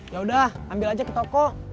yaudah ambil aja ke toko